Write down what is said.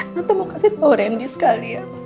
nanti mau kasih tau randy sekali ya